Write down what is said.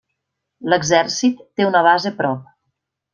L'exèrcit té una base prop.